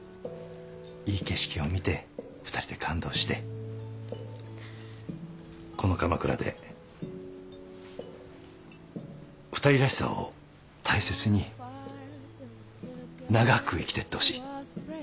いい景色を見て２人で感動してこの鎌倉で二人らしさを大切に長く生きてってほしい。